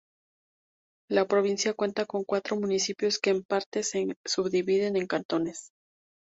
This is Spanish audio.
La provincia cuenta con cuatro municipios que en parte se subdivide en cantones.